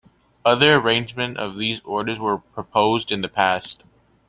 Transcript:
Other arrangements of these orders were proposed in the past.